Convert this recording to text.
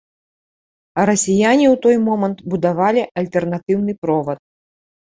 А расіяне ў той момант будавалі альтэрнатыўны провад.